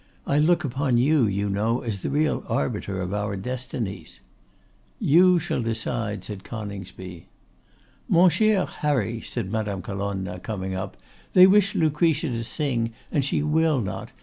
I look upon you, you know, as the real arbiter of our destinies.' 'You shall decide,' said Coningsby. 'Mon cher Harry,' said Madame Colonna, coming up, 'they wish Lucretia to sing and she will not.